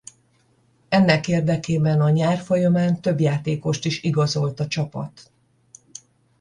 Ennek érdekében a nyár folyamán több játékost is igazolt a csapat.